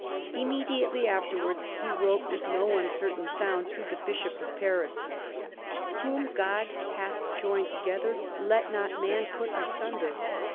Immediately after wards, he wrote with no uncertain sound to the bishop of Paris :" Whom God hath joined together, let not man put asunder.